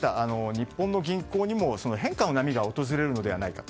日本の銀行にも変化の波が訪れるのではないか。